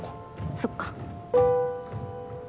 そっか。